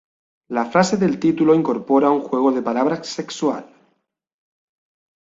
La frase del título incorpora un juego de palabras sexual.